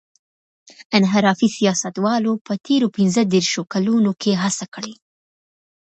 انحرافي سیاستوالو په تېرو پينځه دېرشو کلونو کې هڅه کړې.